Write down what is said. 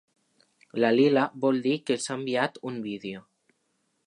La lila vol dir que s’ha enviat un vídeo.